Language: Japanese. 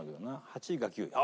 ８位か９位。